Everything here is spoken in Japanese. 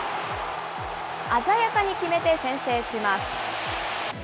鮮やかに決めて先制します。